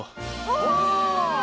お！